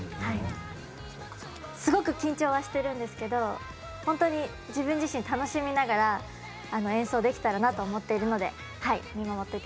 すごく緊張はしてるんですけどホントに自分自身楽しみながら演奏できたらなと思っているので見守っていてください。